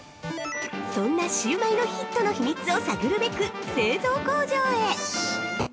◆そんなシウマイのヒットの秘密を探るべく製造工場へ！